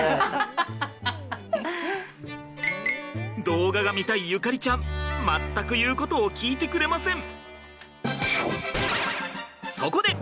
動画が見たい縁ちゃん全く言うことを聞いてくれません。